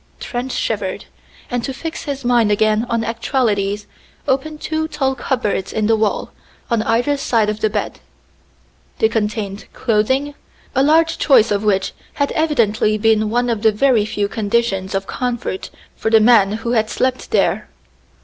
Trent shivered, and to fix his mind again on actualities opened two tall cupboards in the wall on either side of the bed. They contained clothing, a large choice of which had evidently been one of the very few conditions of comfort for the man who had slept there.